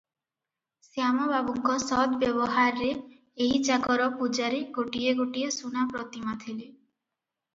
ଶ୍ୟାମ ବାବୁଙ୍କ ସଦ୍ ବ୍ୟବହାରରେ ଏହି ଚାକର ପୂଜାରୀ ଗୋଟିଏ ଗୋଟିଏ ସୁନା ପ୍ରତିମା ଥିଲେ ।